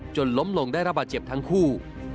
ล้มลงได้รับบาดเจ็บทั้งคู่